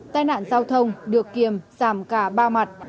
tai nạn giao thông được kiềm giảm cả ba mặt